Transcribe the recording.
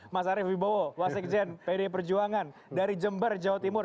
mas arief wibowo wasikjen pd perjuangan dari jember jawa timur